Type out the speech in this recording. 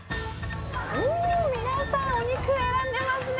皆さん、お肉選んでますね。